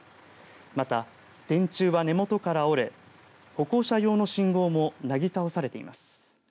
また、電柱は根元から折れ歩行者用の信号もなぎ倒されています。